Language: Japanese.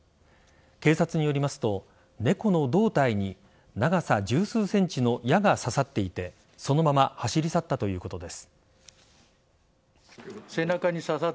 警察によりますと、猫の胴体に長さ十数ｃｍの矢が刺さっていてそのまま走り去ったということです。